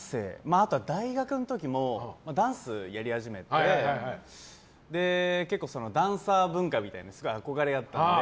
あとは大学の時もダンスをやり始めて結構、ダンサー文化みたいなのにすごい憧れがあったので。